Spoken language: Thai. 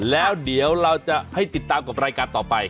แล้วเดี๋ยวเราจะให้ติดตามกับรายการต่อไป